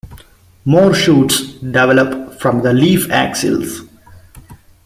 More shoots develop from the leaf axils.